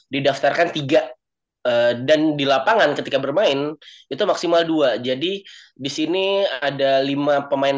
didaftarkan tiga dan di lapangan ketika bermain itu maksimal dua jadi disini ada lima pemain